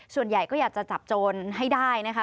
ส่วนใหญ่ก็อยากจะจับโจรให้ได้นะคะ